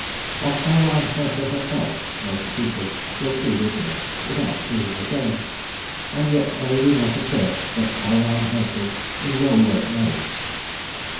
Of Caroline Herschel herself most people will plead ignorance without feeling ashamed, and yet may we not assert that Caroline Herschel is well worth knowing.